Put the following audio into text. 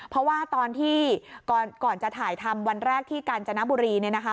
เพราะว่าตอนที่ก่อนจะถ่ายทำวันแรกที่กาญจนบุรีเนี่ยนะคะ